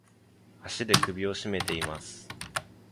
足で首をしめています。